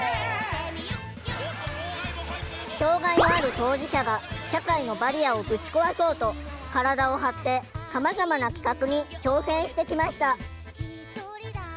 障害のある当事者が社会のバリアをぶち壊そうと体を張ってさまざまな企画に挑戦してきました。